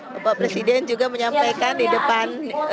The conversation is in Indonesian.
bapak presiden juga menyampaikan di depan sidang ya